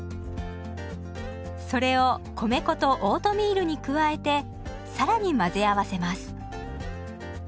それを米粉とオートミールに加えて更に混ぜ合わせます。